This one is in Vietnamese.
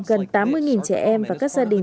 gần tám mươi trẻ em và các gia đình